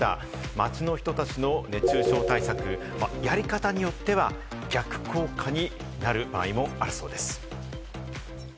街の人たちの熱中症対策、やり方によっては逆効果になる場合もあるそうです。